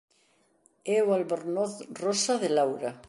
E o albornoz rosa de Laura.